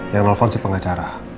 yang melepon si pengacara